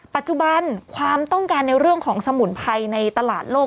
ปัจจุบันความต้องการในเรื่องของสมุนไพรในตลาดโลก